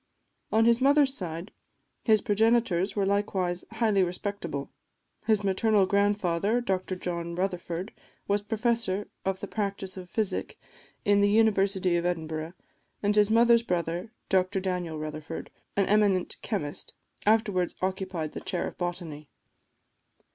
On his mother's side his progenitors were likewise highly respectable: his maternal grandfather, Dr John Rutherford, was Professor of the Practice of Physic in the University of Edinburgh, and his mother's brother, Dr Daniel Rutherford, an eminent chemist, afterwards occupied the chair of Botany.